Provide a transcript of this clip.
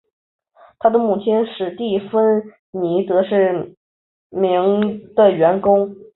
他的母亲史蒂芬妮则是名的员工。